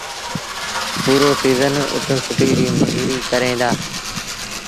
پورو سيٚزن اُت ڦُٽيٚ ريٚ مزوريٚ ڪريݩ دآ.